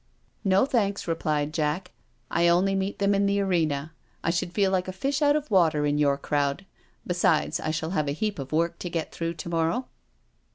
" No thanks," replied Jack. " I only meet them in the arena. I should feel like a fish out of water in your crowd— besides, I shall have a heap of work to get through to morrow."